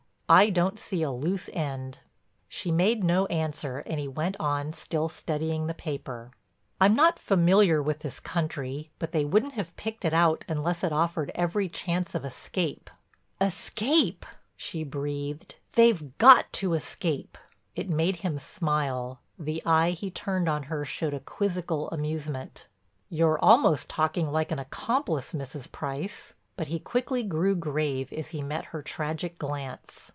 I don't see a loose end." She made no answer and he went on still studying the paper: "I'm not familiar with this country, but they wouldn't have picked it out unless it offered every chance of escape." "Escape!" she breathed. "They've got to escape." It made him smile, the eye he turned on her showed a quizzical amusement: "You're almost talking like an accomplice, Mrs. Price." But he quickly grew grave as he met her tragic glance.